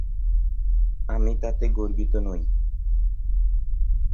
আমি তাতে গর্বিত নই।